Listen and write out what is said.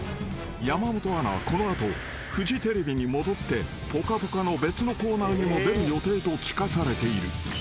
［山本アナはこの後フジテレビに戻って『ぽかぽか』の別のコーナーにも出る予定と聞かされている］